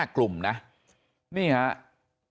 ๕กลุ่มนะนี่ครับ